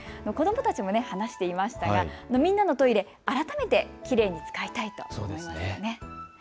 子どもたちも話していましたがみんなのトイレ、改めてきれいに使いたいと思いますね。